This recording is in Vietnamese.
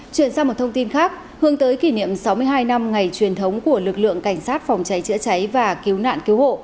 chuyển sang một thông tin khác hướng tới kỷ niệm sáu mươi hai năm ngày truyền thống của lực lượng cảnh sát phòng cháy chữa cháy và cứu nạn cứu hộ